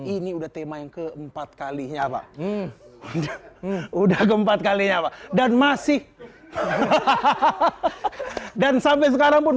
ini udah tema yang keempat kali nyawa udah keempat kali nyawa dan masih hahaha dan sampai sekarang pun